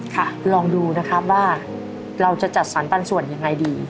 ค่ะลองดูนะครับว่าเราจะจัดสรรปันส่วนยังไงดี